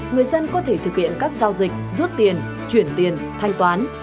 người dân có thể thực hiện các giao dịch rút tiền chuyển tiền thanh toán